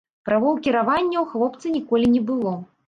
Правоў кіравання ў хлопца ніколі не было.